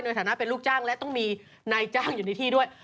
ในฐานะเป็นลูกจ้างและต้องมีนายจ้างอยู่ในที่ด้วย